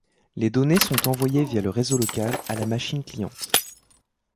Les données sont envoyées via le réseau local à la machine cliente.